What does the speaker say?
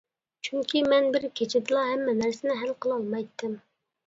چۈنكى، مەن بىر كېچىدىلا ھەممە نەرسىنى ھەل قىلالمايتتىم.